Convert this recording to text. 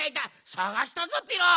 さがしたぞピロ！